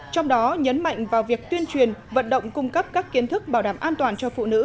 trong đó nhấn mạnh vào việc tuyên truyền vận động cung cấp các kiến thức bảo đảm an toàn cho phụ nữ